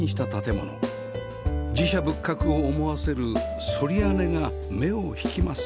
寺社仏閣を思わせる反り屋根が目を引きます